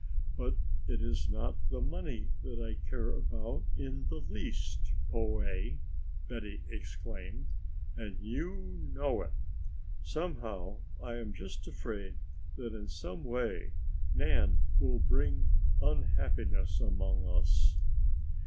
"But it is not the money that I care about in the least, Poay," Betty exclaimed, "and you know it! Somehow I am just afraid that in some way Nan will bring unhappiness among us."